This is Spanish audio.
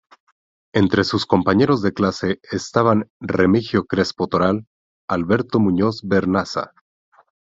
Entre sus compañeros de clase estaban Remigio Crespo Toral, Alberto Muñoz Vernaza.